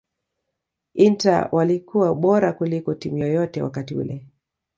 Inter walikuwa bora kuliko timu yoyote wakati ule